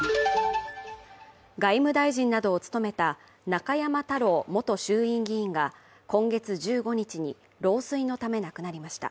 外務大臣などを務めた中山太郎元衆院議員が今月１５日に老衰のため亡くなりました。